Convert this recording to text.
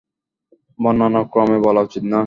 বর্ণানুক্রমে বলা উচিত না?